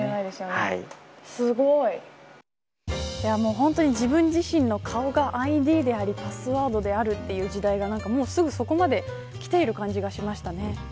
本当に自分自身の顔がＩＤでありパスワードであるという時代がすぐそこまで来ているような感じがしましたね。